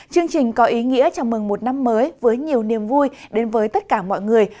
chương trình có ý nghĩa chào mừng một năm mới với nhiều niềm vui đến với tất cả mọi người